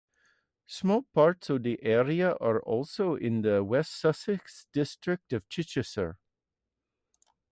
Small parts of the area are also in the West Sussex district of Chichester.